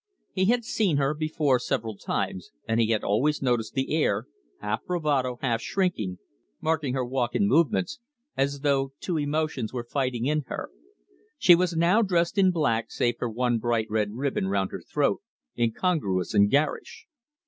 He had seen her before several times, and he had always noticed the air, half bravado, half shrinking, marking her walk and movements, as though two emotions were fighting in her. She was now dressed in black, save for one bright red ribbon round her throat, incongruous and garish.